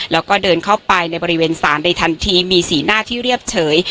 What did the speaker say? แล้วก็เดินเข้าไปในบริเวณศาลในทันทีมีสีหน้าที่เรียบเฉย